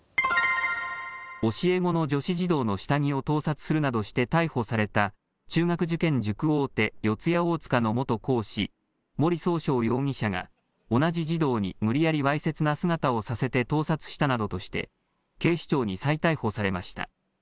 教え子の女子児童の下着を盗撮するなどして逮捕された中学受験塾大手、四谷大塚の元講師、森崇翔容疑者が同じ児童に無理やりわいせつな姿をさせて盗撮したなどとして警視庁に再逮捕されました。